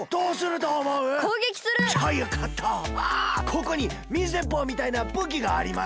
ここに水でっぽうみたいなぶきがあります。